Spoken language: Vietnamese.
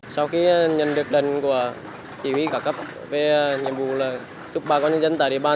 sau khi nhận được lệnh của chỉ huy cả cấp về nhiệm vụ là chúc bà con nhân dân tại địa bàn